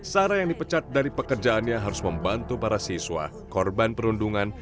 sarah yang dipecat dari pekerjaannya harus membantu para siswa korban perundungan